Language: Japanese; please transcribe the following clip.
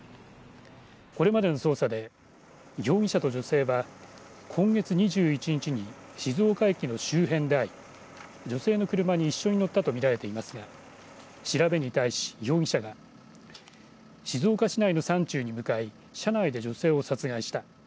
これまでの捜査で容疑者と女性は今月２１日に静岡駅の周辺で会いを女性の車に一緒に乗ったとみられていますが調べに対し容疑者が静岡市内の山中に向かい車内で女性を殺害した。